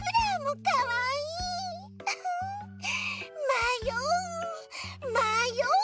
まようまよう！